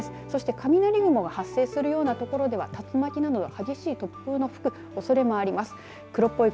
そして雷雲が発生するような所では竜巻などの激しい突風の吹くおそれもあります。